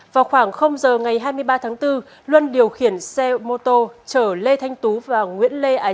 vào khoảng giờ ngày hai mươi ba tháng bốn luân điều khiển xe mô tô chở lê thanh tú và nguyễn lê ái